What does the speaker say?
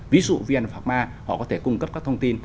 ví dụ vn phạm ma họ có thể cung cấp các thông tin